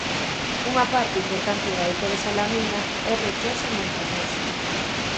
Unha parte importante da illa de Salamina é rochosa e montañosa.